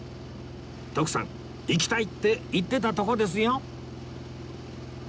徳さん行きたいって言ってたとこですよ